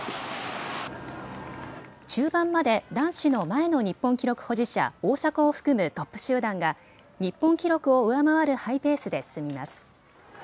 中盤まで男子の前の日本記録保持者、大迫を含むトップ集団が日本記録を上回るハイペースで進みます。